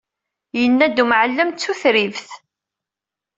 Yenna-d umɛellem d tutribt!